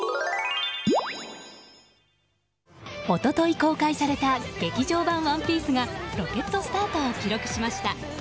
一昨日公開された劇場版「ＯＮＥＰＩＥＣＥ」がロケットスタートを記録しました。